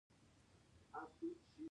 هره مقاله د دوه کسانو لخوا کتل کیږي.